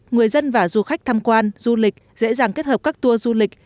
người dân và du khách tham quan du lịch dễ dàng kết hợp các tour du lịch